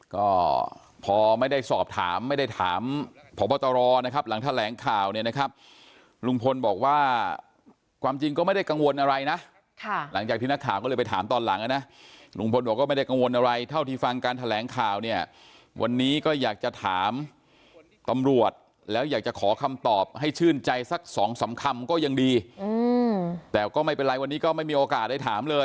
ก็พอไม่ได้สอบถามไม่ได้ถามพบตรนะครับหลังแถลงข่าวเนี่ยนะครับลุงพลบอกว่าความจริงก็ไม่ได้กังวลอะไรนะหลังจากที่นักข่าวก็เลยไปถามตอนหลังนะลุงพลบอกว่าไม่ได้กังวลอะไรเท่าที่ฟังการแถลงข่าวเนี่ยวันนี้ก็อยากจะถามตำรวจแล้วอยากจะขอคำตอบให้ชื่นใจสักสองสามคำก็ยังดีแต่ก็ไม่เป็นไรวันนี้ก็ไม่มีโอกาสได้ถามเลย